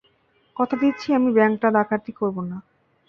কথা দিচ্ছি আমি ব্যাংকটা ডাকাতি করবো না।